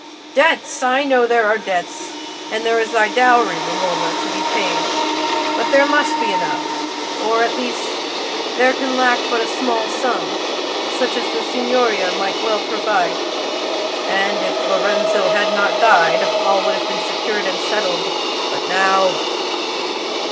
Debts! I know there are debts; and there is thy dowry, Romola, to be paid. But there must be enough—or, at least, there can lack but a small sum, such as the Signoria might well provide. And if Lorenzo had not died, all would have been secured and settled. But now..."